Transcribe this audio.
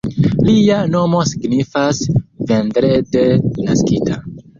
Lia nomo signifas "vendrede naskita.